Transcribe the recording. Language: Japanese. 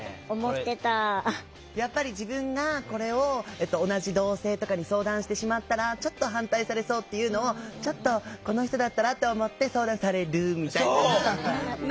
やっぱり自分がこれを同じ同性とかに相談してしまったらちょっと反対されそうっていうのをちょっとこの人だったらって思って相談されるみたいな。